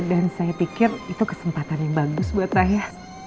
dan saya pikir itu kesempatan yang bagus buat saya